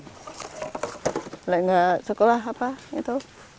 kalau nggak sekolah apa itu